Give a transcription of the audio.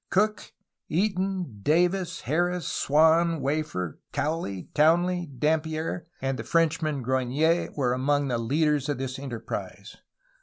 Cook, Eaton, Davis, Harris, Swan, Wafer, Cowley, Townley, Dampier, and the Frenchman Grogniet were among the leaders of this enterprise.